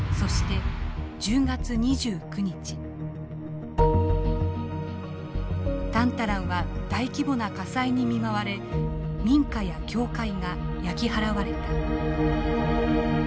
そしてタンタランは大規模な火災に見舞われ民家や教会が焼き払われた。